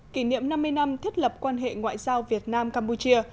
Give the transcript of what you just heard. kỷ niệm năm mươi năm thiết lập quan hệ ngoại giao việt nam campuchia